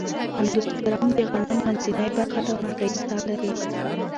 اندوسپرم د غنم منځنۍ برخه ده او نشایسته لري.